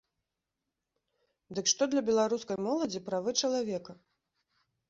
Дык што для беларускай моладзі правы чалавека?